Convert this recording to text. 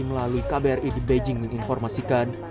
melalui kbri di beijing menginformasikan